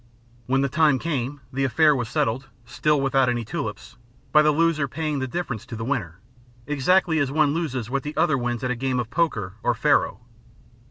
When the time came, the affair was settled, still without any tulips, by the loser paying the difference to the winner, exactly as one loses what the other wins at a game of poker or faro.